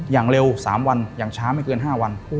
อย่างเร็ว๓วันอย่างช้าไม่เกิน๕วัน